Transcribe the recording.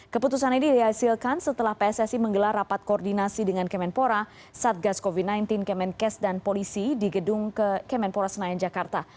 keputusan ini dihasilkan setelah pssi menggelar rapat koordinasi dengan kemenpora satgas covid sembilan belas kemenkes dan polisi di gedung kemenpora senayan jakarta